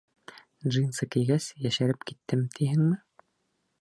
Джинсы кейгәс, йәшәреп киттем, тиһеңме?